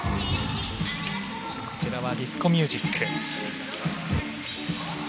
こちらはディスコミュージック。